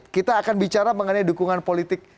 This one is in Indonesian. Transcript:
kita akan bicara mengenai dukungan politik